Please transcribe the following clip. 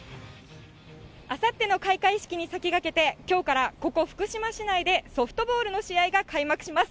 あさっての開会式に先駆けて、きょうからここ、福島市内でソフトボールの試合が開幕します。